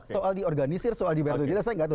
soal di organisir soal dibayar itu jelas saya tidak tahu